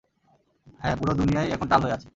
হ্যাঁ, পুরো দুনিয়াই এখন টাল হয়ে আছে।